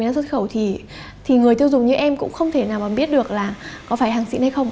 nhiều người dân